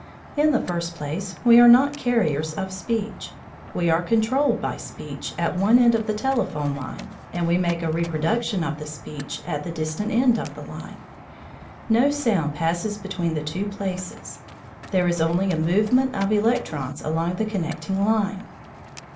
In the first place, we are not carriers of speech. We are controlled by speech at one end of the telephone line, and we make a reproduction of the speech at the distant end of the line. No sound passes between the two places; there is only a movement of electrons along the connecting line.